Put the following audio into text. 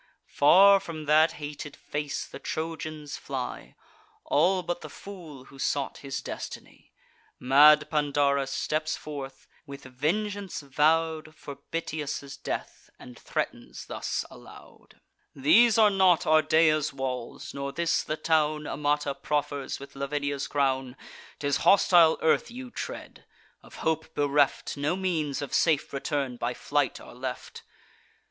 Far from that hated face the Trojans fly, All but the fool who sought his destiny. Mad Pandarus steps forth, with vengeance vow'd For Bitias' death, and threatens thus aloud: "These are not Ardea's walls, nor this the town Amata proffers with Lavinia's crown: 'Tis hostile earth you tread. Of hope bereft, No means of safe return by flight are left."